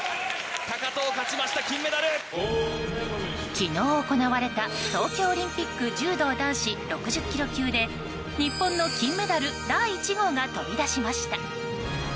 昨日行われた東京オリンピック柔道男子６０ｋｇ級で日本の金メダル第１号が飛び出しました。